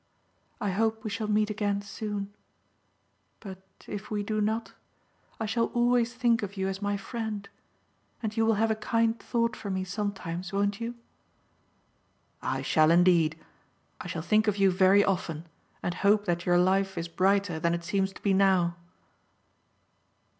I hope we shall meet again soon; but if we do not, I shall always think of you as my friend, and you will have a kind thought for me sometimes, won't you?" "I shall indeed. I shall think of you very often and hope that your life is brighter than it seems to be now."